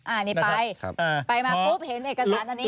อันนี้ไปไปมาปุ๊บเห็นเอกสารอันนี้